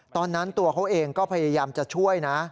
ตอนนั้นตัวเขาเองก็พยายามจะช่วยนะ